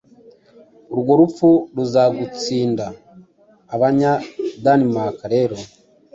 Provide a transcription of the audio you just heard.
Urwo rupfu ruzagutsinda Abanya Danemark rero